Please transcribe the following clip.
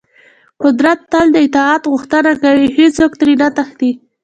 قدرت تل د اطاعت غوښتنه کوي او هېڅوک ترې نه تښتي.